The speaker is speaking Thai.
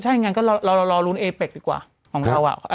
ใช่อย่างนั้นรอรุนเอเป็กดีกว่าของเรา